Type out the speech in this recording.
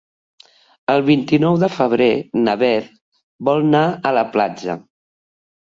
El vint-i-nou de febrer na Beth vol anar a la platja.